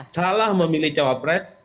salah memilih cawapres